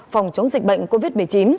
phòng chống dịch bệnh covid một mươi chín